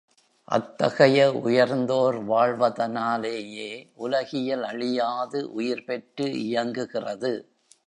அத்தகைய உயர்ந்தோர் வாழ்வதனாலேயே உலகியல் அழியாது உயிர்பெற்று இயங்குகிறது!